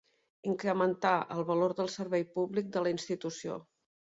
Incrementar el valor del servei públic de la institució.